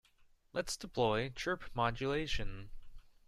Let's deploy chirp modulation.